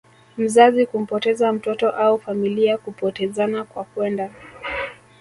mzazi kumpoteza mtoto au familia kupotezana kwa kwenda